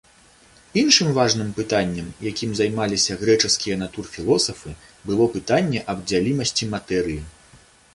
Іншым важным пытаннем, якім займаліся грэчаскія натурфілосафы, было пытанне аб дзялімасці матэрыі.